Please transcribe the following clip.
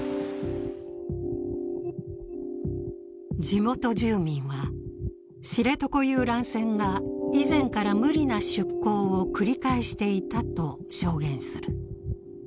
地元住民は知床遊覧船が以前から無理な出航を繰り返していたと証言する。